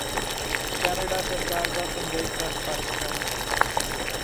Canada ਸਰਕਾਰ ਦਾ ਸੰਦੇਸ਼ ਤਾਂ ਸਪਸ਼ਟ ਹੈ